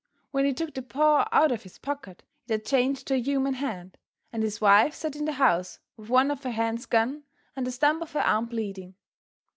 When he took the paw out of his pocket it had changed to a human hand, and his wife sat in the house with one of her hands gone and the stump of her arm bleeding.